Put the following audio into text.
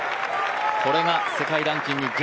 これが世界ランキング